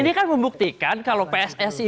ini kan membuktikan kalau pssi